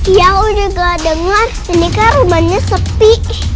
ya udah gak denger ini kan rumahnya sepi